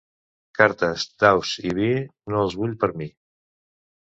Cartes, daus i vi no els vull per mi.